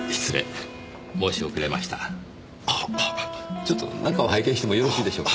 ちょっと中を拝見してもよろしいでしょうか？